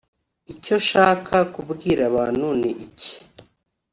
icyo Shaka kubwira abantu ni iki